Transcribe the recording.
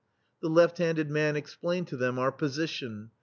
The left handed man explained to them our position.